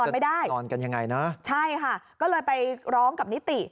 พ่อนอนไม่ได้ก็เลยไปร้องกับนิติ